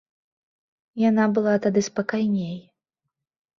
Яна была тады спакайней.